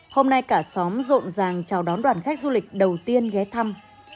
hôm nay cả xóm rộn ràng chào đón đoàn khách du lịch đầu tiên ghé thăm